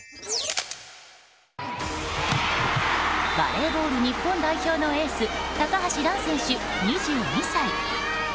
バレーボール日本代表のエース高橋藍選手、２２歳。